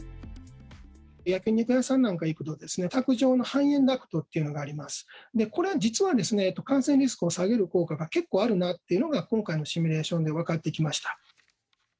焼き肉屋さんなんか行くと、卓上の排煙ダクトというのがあります、これ、実はですね、感染リスクを下げる効果が結構あるなっていうのが、今回のシミュレーションでよく分かってきました。